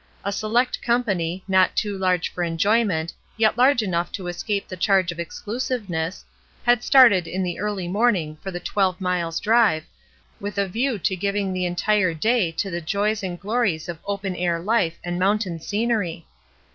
A select company, not too large for enjoyment yet large enough to escape the charge of exclusiveness, had started in the early morning for the twelve miles' drive, with a view to giving the entire day to the joys and glories of open air life and mountain scenery.